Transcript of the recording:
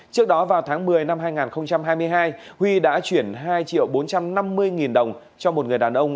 trước đó vào tháng một mươi năm hai nghìn hai mươi hai huy đã chuyển hai triệu bốn trăm năm mươi nghìn đồng cho một người đàn ông